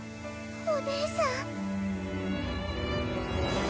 お姉さん。